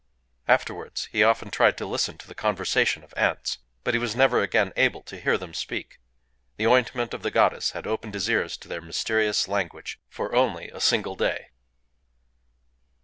Afterwards he often tried to listen to the conversation of Ants. But he was never again able to hear them speak. The ointment of the goddess had opened his ears to their mysterious language for only a single day.